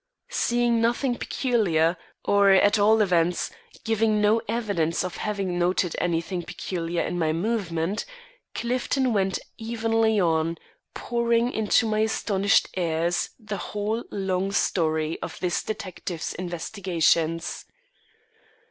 Seeing nothing peculiar or at all events, giving no evidence of having noted anything peculiar in my movement Clifton went evenly on, pouring into my astonished ears the whole long story of this detective's investigations.